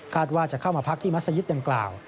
ว่าจะเข้ามาพักที่มัศยิตดังกล่าว